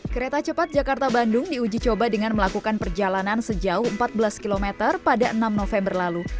kereta cepat jakarta bandung diuji coba dengan melakukan perjalanan sejauh empat belas km pada enam november lalu